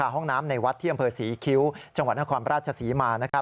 ห้องน้ำในวัดที่อำเภอศรีคิ้วจังหวัดนครราชศรีมา